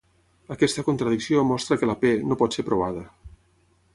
Aquesta contradicció mostra que la "p" no pot ser provada.